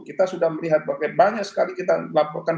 kita sudah melihat banyak sekali kita laporkan